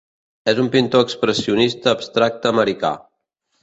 És un pintor expressionista abstracte americà.